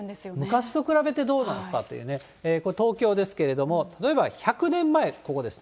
昔と比べてどうなのかというね、東京ですけれども、例えば１００年前、ここです。